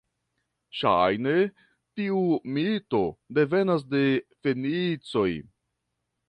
Ŝajne, tiu mito devenas de fenicoj.